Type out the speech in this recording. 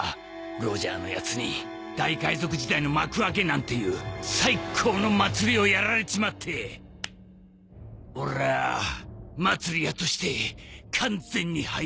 ロジャーのやつに大海賊時代の幕開けなんていう最高の祭りをやられちまって俺ぁ祭り屋として完全に敗北した。